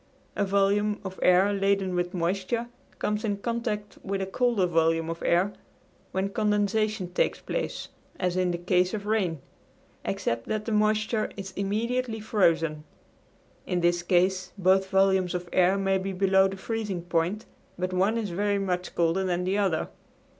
A volume of air laden with moisture comes in contact with a colder volume of air, when condensation takes place, as in the case of rain, except that the moisture is immediately frozen. In this case both volumes of air may be below the freezing point, but one is very much colder than the other.